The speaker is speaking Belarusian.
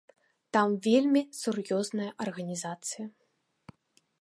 Там вельмі сур'ёзная арганізацыя.